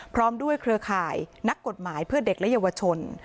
พร้อมด้วยเครือข่ายนักกฎหมายเพื่อเด็กและเยาวชน